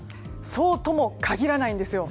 そうとも限らないんですよ。